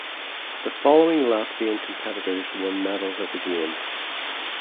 The following Latvian competitors won medals at the games.